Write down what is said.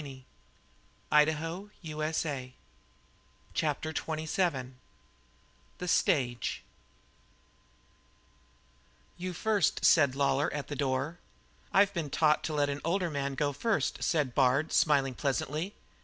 I've learned a lot." CHAPTER XXVII THE STAGE "You first," said Lawlor at the door. "I've been taught to let an older man go first," said Bard, smiling pleasantly.